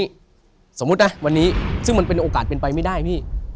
นี่สมมุตินะวันนี้ซึ่งมันเป็นโอกาสเป็นไปไม่ได้พี่